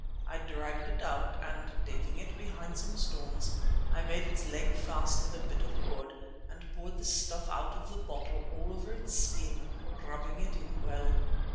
I dragged it out and, taking it behind some stones, I made its leg fast with a bit of cord and poured this stuff out of the bottle all over its skin, rubbing it in well.